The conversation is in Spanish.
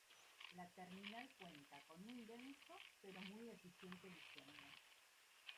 La terminal cuenta con un denso, pero muy eficiente diseño.